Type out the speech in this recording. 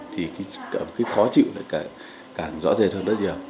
thì cái khó chịu lại càng rõ rệt hơn rất nhiều